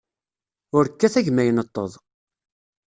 Ur kkat a gma ineṭṭeḍ!